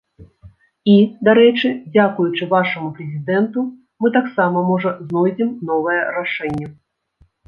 І, дарэчы, дзякуючы вашаму прэзідэнту, мы таксама, можа, знойдзем новае рашэнне!